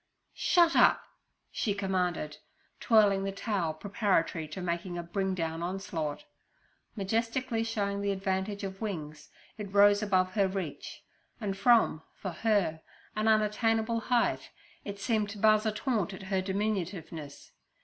'Shut up!' she commanded, twirling the towel preparatory to making a bring down onslaught. Majestically showing the advantage of wings, it rose above her reach, and from, for her, an unattainable height it seemed to buzz a taunt at her diminutiveness.